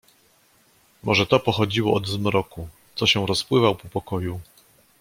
"Może to pochodziło od zmroku, co się rozpływał po pokoju."